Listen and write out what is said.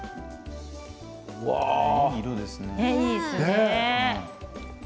いい色ですね。